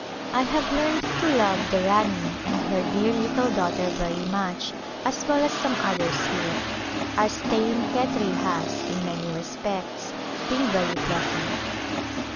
I have learned to love the Rani and her dear little daughter very much as well as some others here. Our stay in Khetri has, in many respects, been very pleas ant.